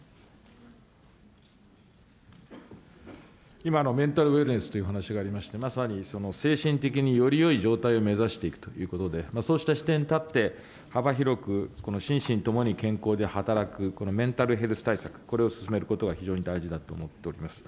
今のメンタルウェルネスというお話がありまして、まさに精神的によりよい状態を目指していくということで、そうした視点に立って、幅広くこの心身ともに働くメンタルヘルス対策、これを進めることが非常に大事だと思っております。